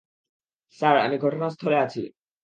Sir, আমি ঘটনাস্থলে আছি।